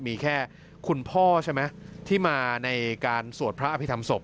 มีแค่คุณพ่อใช่ไหมที่มาในการสวดพระอภิษฐรรศพ